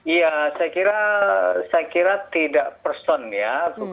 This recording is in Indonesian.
iya saya kira tidak person ya